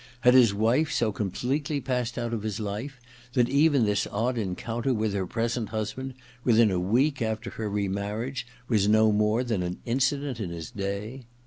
^ Had his wife so completely passed out of his life that even this odd encounter with her present husband, within a week after her remarriage, was no more than an incident in his day?